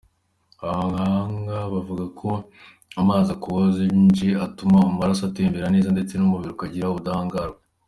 Abahanga bavuga ko amazi akonje atuma amaraso atembera neza ndetse n’umubiri ukagira ubudahangarwa.